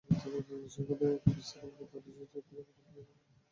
সেখানে অবস্থার অবনতি হলে শিশুটিকে ঢাকা মেডিকেল কলেজ হাসপাতালে পাঠানো হয়।